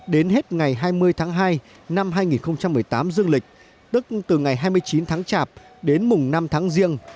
đến hết ngày hai mươi tháng hai năm hai nghìn một mươi tám dương lịch tức từ ngày hai mươi chín tháng chạp đến mùng năm tháng riêng